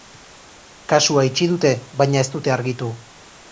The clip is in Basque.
Kasua itxi dute, baina ez dute argitu.